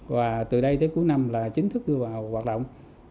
và từ đây tới cuối năm là chính thức đưa vào hoạt động